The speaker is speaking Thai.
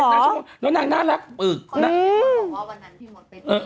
คนที่เค้าบอกว่าวันนั้นที่หมดเป็นอื้อ